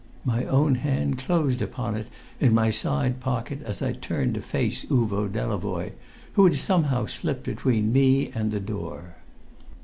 My own hand closed upon it in my side pocket, as I turned to face Uvo Delavoye, who had somehow slipped between me and the door.